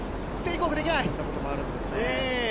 こんなこともあるんですね。